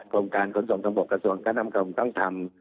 กรมการขนสมสมบทกระทรวงการนำกรมต้องทำ